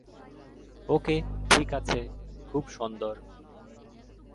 ওকে, ঠিক আছে, খুব শোন্দর!